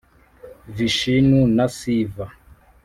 vishinu na siva